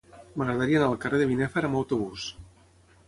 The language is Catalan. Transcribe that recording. M'agradaria anar al carrer de Binèfar amb autobús.